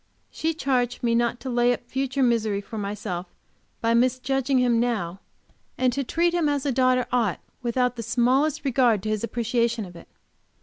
She charged me not to lay up future misery for myself by misjudging him now, and to treat him as a daughter ought without the smallest regard to his appreciation of it.